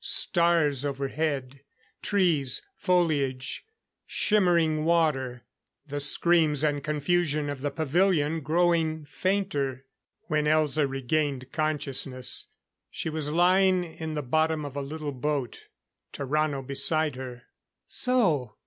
Stars overhead. Trees; foliage; shimmering water. The screams and confusion of the pavilion growing fainter.... When Elza regained consciousness, she was lying in the bottom of a little boat, Tarrano beside her. "So?